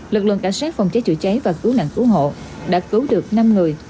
lực lượng cảnh sát phòng cháy chữa cháy và cứu nạn cứu hộ đã cứu được năm người